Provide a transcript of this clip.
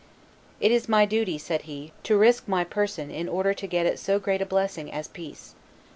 "It is my duty," said he, "to risk my person in order to get at so great a blessing as peace.